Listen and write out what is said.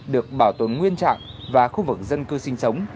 được bảo tồn nguyên trạng và khu vực dân cư sinh sống